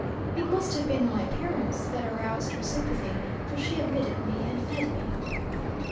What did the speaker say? It must have been my appearance that aroused her sympathy, for she admitted me and fed me.